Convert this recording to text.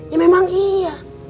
ya memang iya